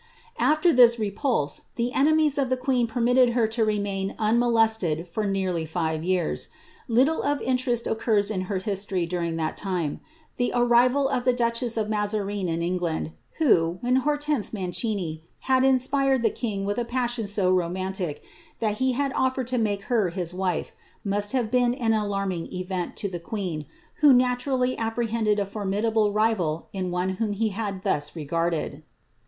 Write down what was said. "' ier this repulse, the enemies of the queen permitted her to remain ^lested for nearly Ave years. Little of interest occurs in her history ig that time. The arrival of the duchess of Mazarine in England, , when Hortense Mancini, had inspired the king with a passion so ntic, that he had ofl^red to make her his wife, must have been an ling event to the queen, who naturally apprehended a formidable in one whom he had thus regarded.